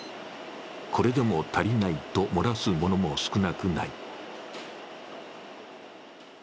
これでも足りないともらす者も少なくない。